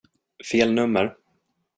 Fel nummer.